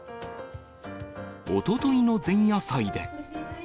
おとといの前夜祭で。